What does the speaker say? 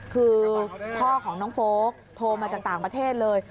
คือพ่อของน้องโฟลกโทรมาจากต่างประเทศเลย